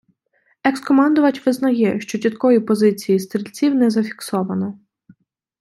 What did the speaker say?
Екс - командувач визнає, що чіткої позиції стрільців не зафіксовано.